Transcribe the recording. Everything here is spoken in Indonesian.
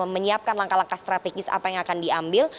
menyiapkan langkah langkah strategis apa yang akan diambil